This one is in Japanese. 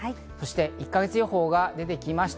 １か月予報が出てきました。